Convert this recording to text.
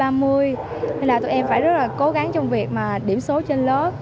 nên là tụi em phải rất là cố gắng trong việc mà điểm số trên lớp